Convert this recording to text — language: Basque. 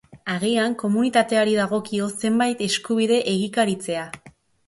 Agian komunitateari dagokio zenbait eskubide egikaritzea.